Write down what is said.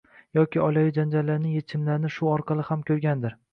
yoki oilaviy janjalllarning yechimlarini shu orqali ham ko‘rgandir.